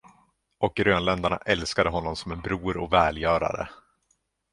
Och grönländarna älskade honom som en bror och välgörare.